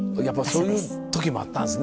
そういう時もあったんすね。